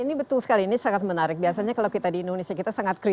ini betul sekali ini sangat menarik biasanya kalau kita di indonesia kita sangat kritis